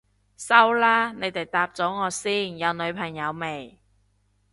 收啦，你哋答咗我先，有女朋友未？